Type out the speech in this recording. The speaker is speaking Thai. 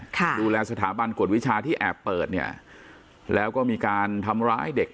ดูแลสถาบันกฎวิชาที่แอบเปิดเนี่ยแล้วก็มีการทำร้ายเด็ก